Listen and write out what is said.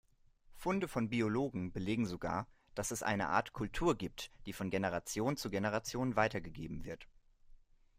Funde von Biologen belegen sogar, dass es eine Art Kultur gibt, die von Generation zu Generation weitergegeben wird.